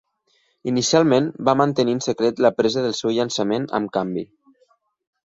Inicialment va mantenir en secret la presa del seu llançament amb canvi.